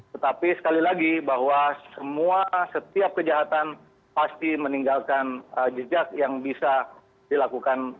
tetapi sekali lagi bahwa semua setiap kejahatan pasti meninggalkan jejak yang bisa dilakukan